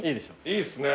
いいですね。